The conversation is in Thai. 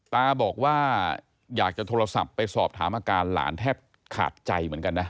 ตาบอกว่าอยากจะโทรศัพท์ไปสอบถามอาการหลานแทบขาดใจเหมือนกันนะ